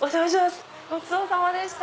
ごちそうさまでした！